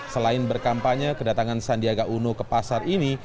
selain berkampanye kedatangan sandiaga uno ke pasar ini